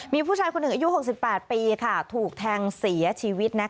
มีผู้ชายคนหนึ่งอายุ๖๘ปีถูกแทงเสียชีวิต